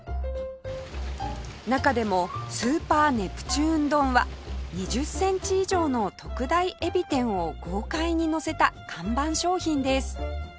中でもスーパーネプチューン丼は２０センチ以上の特大エビ天を豪快にのせた看板商品です